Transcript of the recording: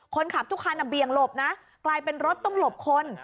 คนขับทุกคันเบี่ยงหลบนะกลายเป็นรถต้องหลบคน